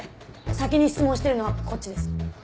先に質問してるのはこっちです。